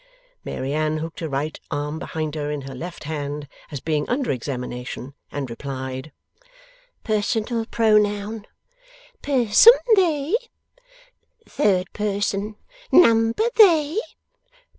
Mary Anne hooked her right arm behind her in her left hand, as being under examination, and replied: 'Personal pronoun.' 'Person, They?' 'Third person.' 'Number, They?